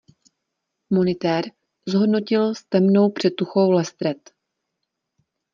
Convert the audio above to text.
Monitér, zhodnotil s temnou předtuchou Lestred.